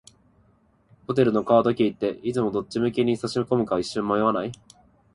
ホテルのカードキーって、いつもどっち向きに差し込むか一瞬迷わない？